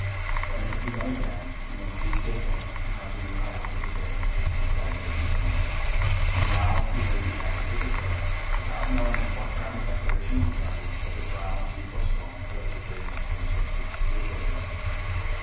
Then it had begun again, and when the Tuesday came he hardly knew how long it had been since that vacant Sunday. And now he heard the advocate declare, without knowing on what ground the declaration was grounded, that the trial must be postponed, or that the jury must be instructed to acquit him.